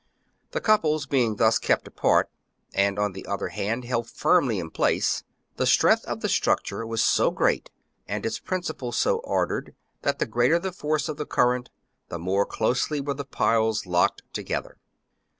The couples being thus kept apart, and on the other hand held firmly in place, the strength of the structure was so great and its principle so ordered that, the greater the force of the current, the more closely were the piles locked together.